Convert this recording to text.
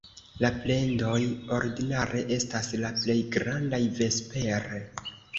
La plendoj ordinare estas la plej grandaj vespere.